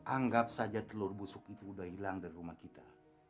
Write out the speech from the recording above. anggap saja telur busuk itu sudah hilang dari rumah kita